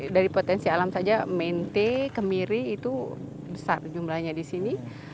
dari potensi alam saja mente kemiri itu besar jumlahnya di sini